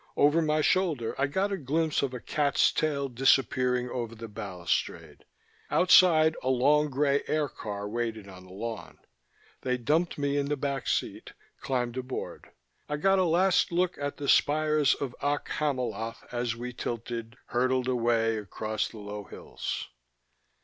Over my shoulder I got a glimpse of a cat's tail disappearing over the balustrade. Outside, a long grey air car waited on the lawn. They dumped me in the back seat, climbed aboard. I got a last look at the spires of Okk Hamiloth as we tilted, hurtled away across the low hills.